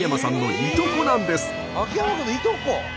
秋山君のいとこ！？